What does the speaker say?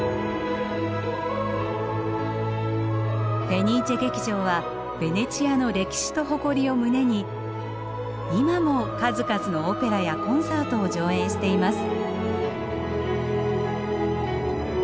フェニーチェ劇場はベネチアの歴史と誇りを胸に今も数々のオペラやコンサートを上演しています。